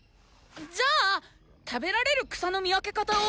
じゃあ食べられる草の見分け方を！